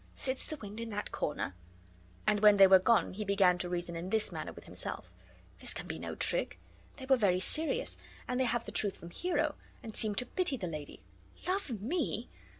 Sits the wind in that corner?" And when they were gone, he began to reason in this manner with himself: "This can be no trick! They were very serious, and they have the truth from Hero, and seem to pity the lady. Love me!